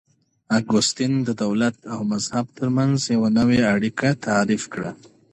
اګوستين د دولت او مذهب ترمنځ يوه نوې اړيکه تعريف کړه.